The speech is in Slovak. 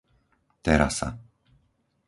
Terasa